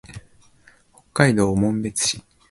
北海道紋別市